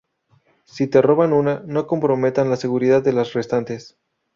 si te roban una, no comprometan la seguridad de las restantes